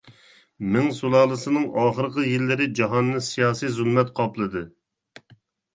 مىڭ سۇلالىسىنىڭ ئاخىرقى يىللىرى جاھاننى سىياسىي زۇلمەت قاپلىدى.